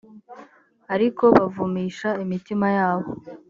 ariko bavumisha imitima yabo